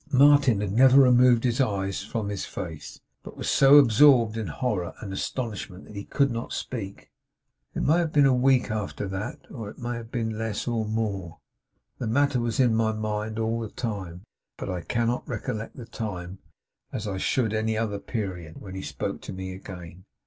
Martin had never removed his eyes from his face, but was so absorbed in horror and astonishment that he could not speak. 'It may have been a week after that, or it may have been less or more the matter was in my mind all the time, but I cannot recollect the time, as I should any other period when he spoke to me again.